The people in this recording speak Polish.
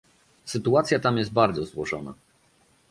Sytuacja tam jest bardzo złożona